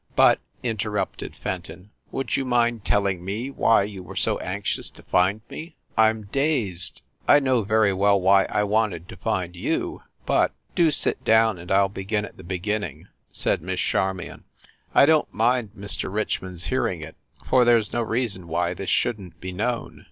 "But," interrupted Fenton, "would you mind tell ing me why you were so anxious to find me? I m dazed. I know well enough why I wanted to find you, but " "Do sit down, and I ll begin at the beginning/ said Miss Charmion. "I don t mind Mr. Richmond s hearing it, for there s no reason why this shouldn t be known."